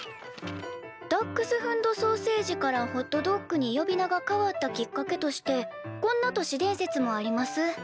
ダックスフンド・ソーセージからホットドッグに呼び名が変わったきっかけとしてこんな都市伝説もあります。